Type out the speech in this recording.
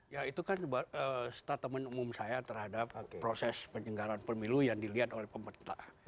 ya itu kan statement umum saya terhadap proses penyelenggaraan pemilu yang dilihat oleh pemerintah